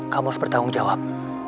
kamu sepertanggung jawab